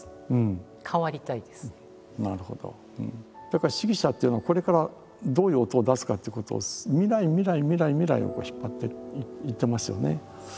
だから指揮者っていうのはこれからどういう音を出すかっていうことを未来未来未来未来を引っ張っていってますよね。